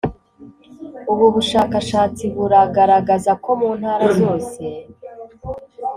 ubu bushakashatsi buragaragaza ko mu ntara zose